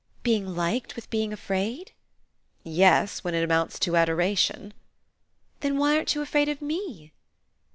"Being liked with being afraid?" "Yes, when it amounts to adoration." "Then why aren't you afraid of ME?"